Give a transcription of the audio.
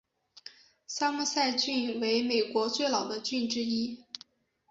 桑莫塞郡为美国最老的郡之一。